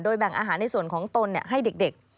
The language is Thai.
แบ่งอาหารในส่วนของตนให้เด็ก